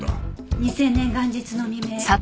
２０００年元日の未明